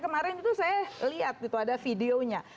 kemarin itu saya lihat gitu ada videonya